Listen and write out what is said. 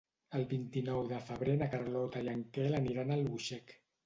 El vint-i-nou de febrer na Carlota i en Quel aniran a Albuixec.